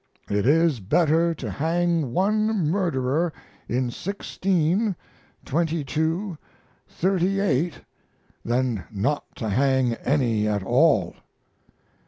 It is better to hang one murderer in sixteen, twenty two, thirty eight than not to hang any at all.